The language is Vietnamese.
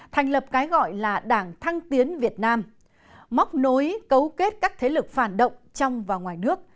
thành lập cái gọi là đảng thăng tiến việt nam móc nối cấu kết các thế lực phản động trong và ngoài nước